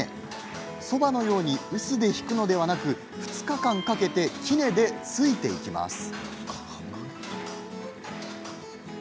そばのように臼でひくのではなく２日間かけて杵でついていきます。